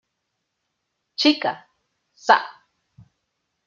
Chica, Sa.